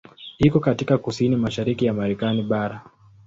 Iko katika kusini mashariki ya Marekani bara.